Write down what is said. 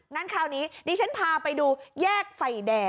งั้นคราวนี้ดิฉันพาไปดูแยกไฟแดง